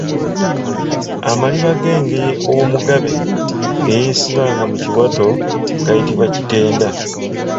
Amaliba g’engeye omugabe ge yeesibanga mu kiwato gayitibwa kitenda.